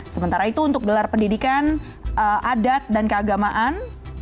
sementara itu untuk gelar pendidikan adat dan keagamaan